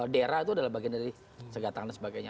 daerah itu adalah bagian dari cegah tanggal dan sebagainya